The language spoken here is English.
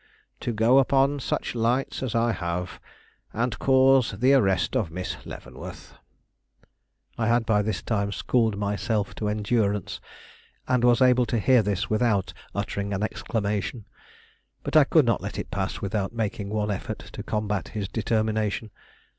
"To go upon such lights as I have, and cause the arrest of Miss Leavenworth." I had by this time schooled myself to endurance, and was able to hear this without uttering an exclamation. But I could not let it pass without making one effort to combat his determination.